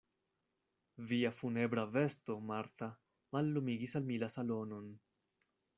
Via funebra vesto, Marta, mallumigis al mi la salonon.